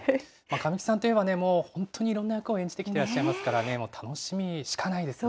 神木さんといえばね、本当にいろんな役を演じてきてらっしゃいますからね、もう楽しみしかないですね。